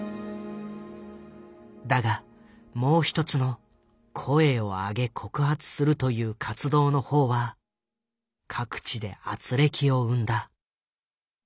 だがもう一つの「声を上げ告発する」という活動の方は各地で軋轢を生んだ。